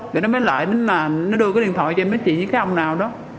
rồi nó mới lại đến là nó đưa cái điện thoại cho em nói chuyện với cái ông nào đó